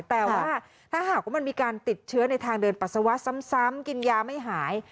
แต่ว่าถ้าหากว่ามันมีการติดเชื้อในทางเดินปัสสาวะซ้ำกินยาไม่หาย